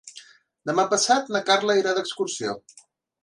Demà passat na Carla irà d'excursió.